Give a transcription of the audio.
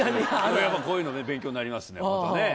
やっぱこういうのね勉強になりますねホントね。